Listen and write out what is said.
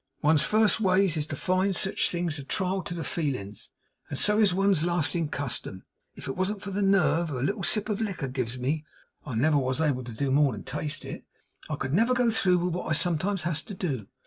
'One's first ways is to find sich things a trial to the feelings, and so is one's lasting custom. If it wasn't for the nerve a little sip of liquor gives me (I never was able to do more than taste it), I never could go through with what I sometimes has to do.